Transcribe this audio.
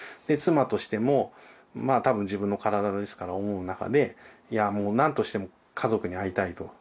妻としてもまあ多分自分の体ですから思う中で「いやもうなんとしても家族に会いたい」と。